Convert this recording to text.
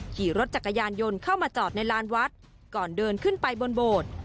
ขี่รถจักรยานยนต์เข้ามาจอดในลานวัดก่อนเดินขึ้นไปบนโบสถ์